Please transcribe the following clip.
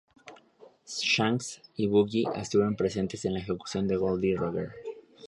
Shanks y Buggy estuvieron presentes en la ejecución de Gol D. Roger.